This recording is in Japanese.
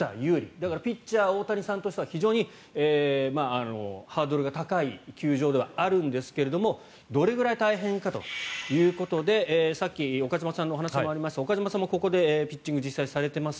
だからピッチャー大谷さんとしては非常にハードルが高い球場ではあるんですがどれぐらい大変かということでさっき岡島さんのお話にもありました岡島さんもここでピッチングを実際にされています。